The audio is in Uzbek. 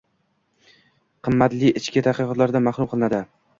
— qimmatli ichki tadqiqotdan mahrum qilinadi.